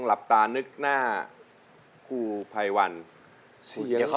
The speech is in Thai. แล้วก็